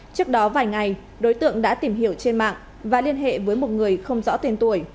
trước đó vài ngày đối tượng đã tìm hiểu trên mạng và liên hệ với một người không rõ tên tuổi